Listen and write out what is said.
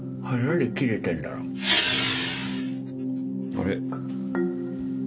あれ。